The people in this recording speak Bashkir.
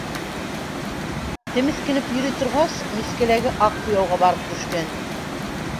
Темеҫкенеп йөрөй торғас, мискәләге аҡ буяуға барып төшкән.